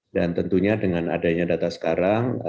dan tentunya dengan adanya data sekarang